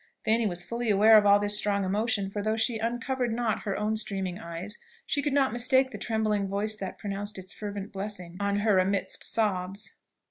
Fanny was fully aware of all this strong emotion; for though she uncovered not her own streaming eyes, she could not mistake the trembling voice that pronounced its fervent blessing on her amidst sobs.